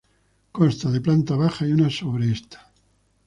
Consta de planta baja y una sobre esta.